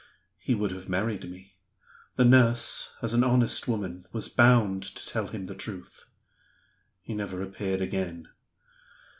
He would have married me. The nurse, as an honest woman, was bound to tell him the truth. He never appeared again.